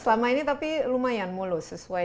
selama ini tapi lumayan mulus sesuai